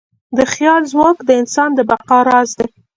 د خیال ځواک د انسان د بقا راز دی.